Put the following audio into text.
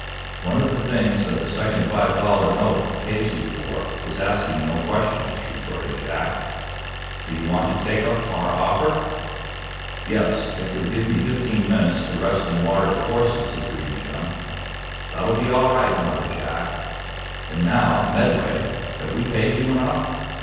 "One of the things that the second five dollar note pays you for is asking no questions," retorted Jack. "Do you want to take up our offer?" "Yes; if you'll give me fifteen minutes to rest and water the horses," agreed Jim. "That'll be all right," nodded Jack. "And now, Medway, have we paid you enough?"